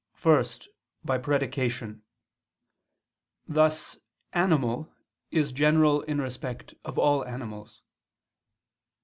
First, by predication; thus "animal" is general in respect of all animals.